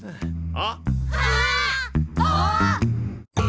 あっ！